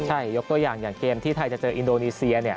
ใช่ยกตัวอย่างอย่างเกมที่ไทยจะเจออินโดนีเซีย